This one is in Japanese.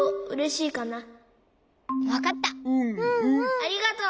ありがとう。